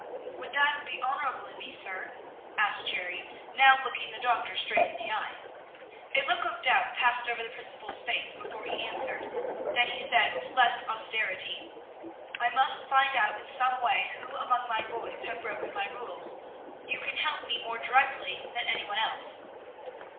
"Would that be honorable in me, sir?" asked Jerry, now looking the doctor straight in the eye. A look of doubt passed over the principal's face before he answered, then he said with less austerity, "I must find out in some way who among my boys have broken my rules; you can help me more directly than any one else."